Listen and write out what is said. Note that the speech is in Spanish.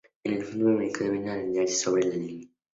En fútbol americano deben alinearse sobre la línea.